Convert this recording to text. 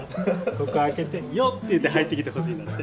ここ開けて「よっ！」って言って入ってきてほしいんだって。